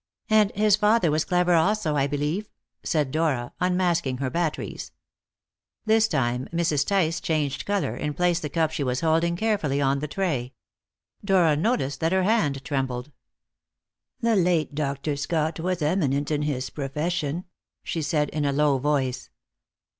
"And his father was clever also, I believe?" said Dora, unmasking her batteries. This time Mrs. Tice changed colour, and placed the cup she was holding carefully on the tray. Dora noticed that her hand trembled. "The late Dr. Scott was eminent in his profession," she said in a low voice.